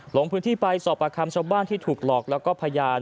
ลงพื้นที่ไปสอบประคำชาวบ้านที่ถูกหลอกแล้วก็พยาน